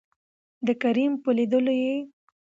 دکريم په لېدولو يې